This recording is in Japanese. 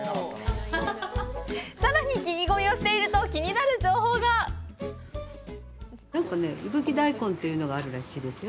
さらに聞き込みをしていると気になる情報がなんかね、伊吹大根というのがあるらしいですよ。